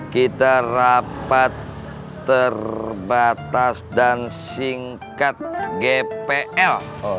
kita rapat terbatas dan singkat gpl